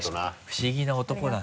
不思議な男だな。